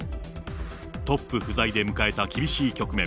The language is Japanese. トップ不在で迎えた厳しい局面。